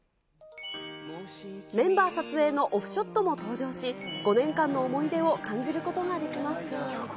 メンバー撮影のオフショットも登場し、５年間の思い出を感じることができます。